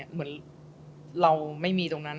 เหมือนเราไม่มีตรงนั้น